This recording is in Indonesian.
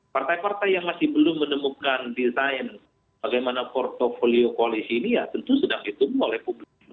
partai partai yang masih belum menemukan desain bagaimana portfolio koalisi ini ya tentu sedang ditunggu oleh publik